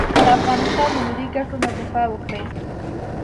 د افغانستان د ملي ګټو نه دفاع وکړي.